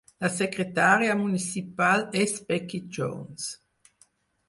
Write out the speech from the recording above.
La secretària municipal és Becky Jones.